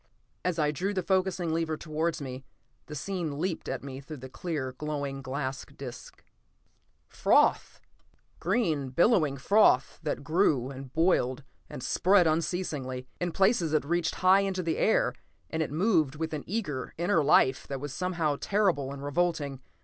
As I drew the focusing lever towards me, the scene leaped at me through the clear, glowing glass disc. Froth! Green, billowing froth that grew and boiled and spread unceasingly. In places it reached high into the air, and it moved with an eager, inner life that was somehow terrible and revolting.